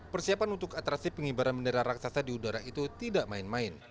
persiapan untuk atrasi pengibaran bendera raksasa di udara itu tidak main main